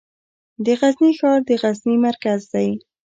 د غزني ښار د غزني مرکز دی